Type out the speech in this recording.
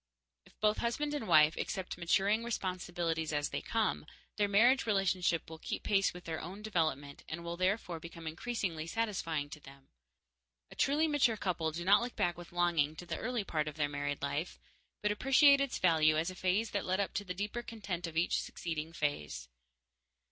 If both husband and wife accept maturing responsibilities as they come, their marriage relationship will keep pace with their own development and will therefore become increasingly satisfying to them. A truly mature couple do not look back with longing to the early part of their married life, but appreciate its value as a phase that led up to the deeper content of each succeeding phase.